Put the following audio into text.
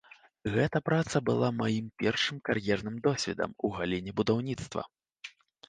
Гэта праца была маім першым кар'ерным досведам у галіне будаўніцтва.